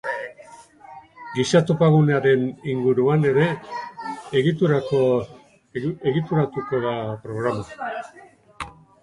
Giza topagunearen inguruan ere egituratuko da programa.